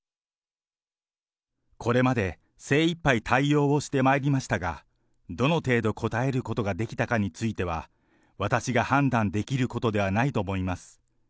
これまで精いっぱい対応をしてまいりましたが、どの程度応えることができたかについては、私が判断できることではないと思います。